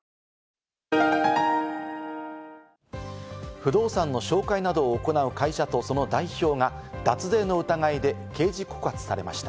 不動産の紹介などを行う会社とその代表が脱税の疑いで刑事告発されました。